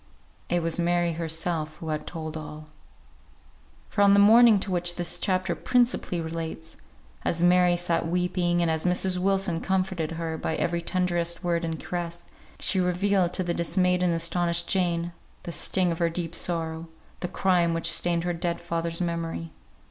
It was Mary herself who had told all. For on the morning to which this chapter principally relates, as Mary sat weeping, and as Mrs. Wilson comforted her by every tenderest word and caress, she revealed to the dismayed and astonished Jane, the sting of her deep sorrow; the crime which stained her dead father's memory.